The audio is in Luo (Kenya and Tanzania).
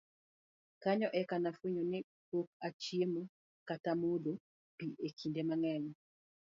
kanyo eka nofwenyo ni pok ochiemo kata modho pi e kinde mang'eny